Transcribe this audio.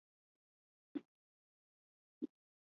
冯氏鳞毛蕨为鳞毛蕨科鳞毛蕨属下的一个变种。